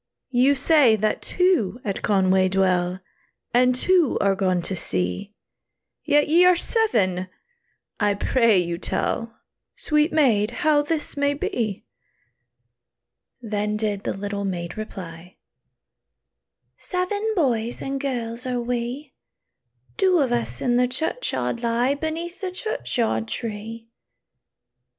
"You say that two at Conway dwell, And two are gone to sea, Yet ye are seven! I pray you tell, Sweet maid, how this may be." Then did the little maid reply, "Seven boys and girls are we; Two of us in the churchyard lie, Beneath the churchyard tree."